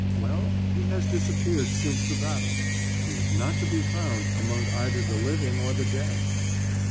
Well, he has disappeared since the battle. He is not to be found among either the living or the dead."